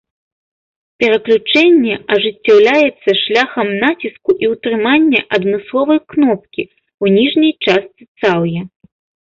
Пераключэнне ажыццяўляецца шляхам націску і ўтрымання адмысловай кнопкі ў ніжняй частцы цаўя.